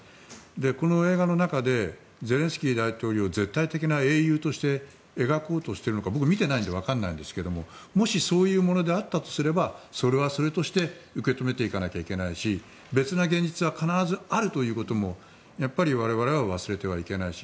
この映画の中でゼレンスキー大統領絶対的な英雄として描こうとしているのか僕、見てないのでわからないのですがもしそういうものであるならばそれはそれとして受け止めていかないといけないし別な現実は必ずあるということもやっぱり我々は忘れてはいけないし。